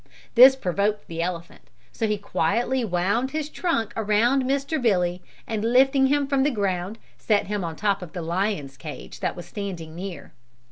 This provoked the elephant, so he quietly wound his trunk around Mr. Billy and lifting him from the ground, set him on top of the lion's cage that was standing near.